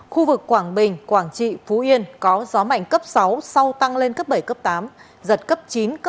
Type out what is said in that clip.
khu vực quảng bình quảng trị phú yên có gió mạnh cấp sáu sau tăng lên cấp bảy tám giật cấp chín một mươi